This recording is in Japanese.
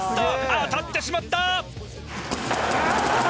当たってしまった。